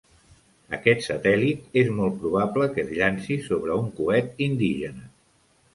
Aquest satèl·lit és molt probable que es llanci sobre un coet indígena.